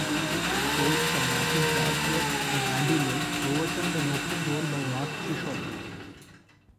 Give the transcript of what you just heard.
Goals from Martin Charlesworth and Andy Low overturned an opening goal by Mark Chisholm.